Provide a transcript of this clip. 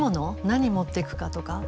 何持ってくかとか。